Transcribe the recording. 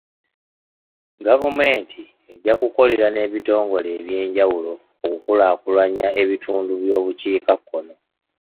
Gavumenti ejja kukolera n'ebitongole eby'enjawulo okukulaakulanya ebitundu by'obukiikakkono.